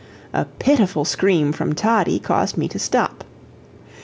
A pitiful scream from Toddie caused me to stop.